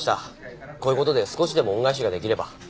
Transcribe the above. こういう事で少しでも恩返しが出来れば。